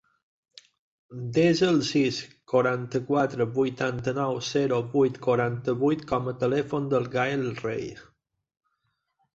Desa el sis, quaranta-quatre, vuitanta-nou, zero, vuit, quaranta-vuit com a telèfon del Gael Rey.